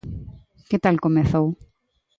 Que tal comezou?